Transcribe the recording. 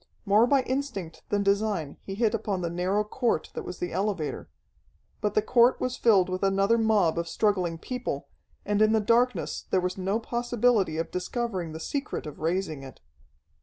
More by instinct than design he hit upon the narrow court that was the elevator. But the court was filled with another mob of struggling people, and in the darkness there was no possibility of discovering the secret of raising it.